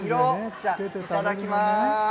じゃあ、いただきます。